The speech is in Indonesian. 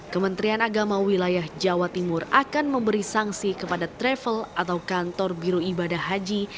kementerian agama wilayah jawa timur akan memberi sanksi kepada travel atau kantor biru ibadah haji